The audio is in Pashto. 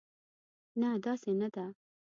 نه، داسې نه ده.